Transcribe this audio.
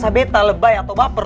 kalau lu rasa gue lebay atau baper